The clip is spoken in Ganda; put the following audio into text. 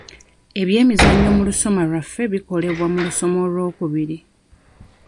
Ebyemizannyo mu ssomero lyaffe bikolebwa mu lusoma olwokubiri.